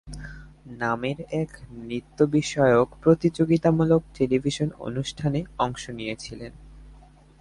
নামের একটি নৃত্য বিষয়ক প্রতিযোগিতামূলক টেলিভিশন অনুষ্ঠানে অংশ নিয়েছিলেন।